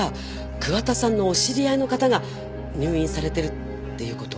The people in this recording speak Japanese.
桑田さんのお知り合いの方が入院されてるっていうことは？